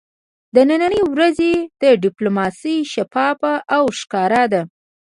د ننی ورځې ډیپلوماسي شفافه او ښکاره ده